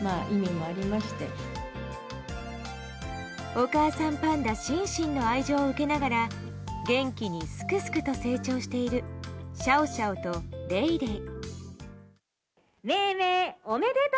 お母さんパンダシンシンの愛情を受けながら元気にすくすくと成長しているシャオシャオとレイレイ。